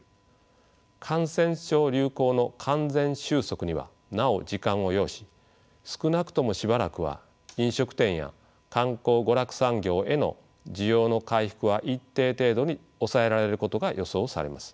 感染症流行の完全終息にはなお時間を要し少なくともしばらくは飲食店や観光娯楽産業への需要の回復は一定程度に抑えられることが予想されます。